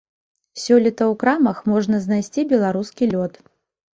Сёлета ў крамах можна знайсці беларускі лёд.